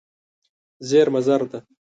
زېرمه زر ده.